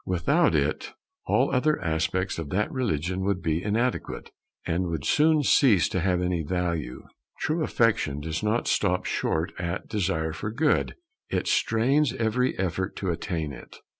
Without it all other aspects of that religion would be inadequate, and would soon cease to have any value. True affection does not stop short at desire for good; it strains every effort to attain it.